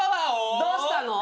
どうしたの？